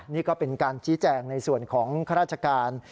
นี่ก็เป็นการชี้แจงในส่วนของข้าราชการ